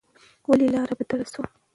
ولې لار بدله شوه؟